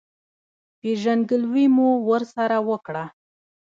پېژندګلوي مو ورسره وکړه.